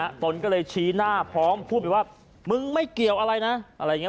ตนก็เลยชี้หน้าพร้อมพูดไปว่ามึงไม่เกี่ยวอะไรนะอะไรอย่างเงี